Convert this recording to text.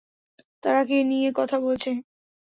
তারা কী নিয়ে কথা বলছে?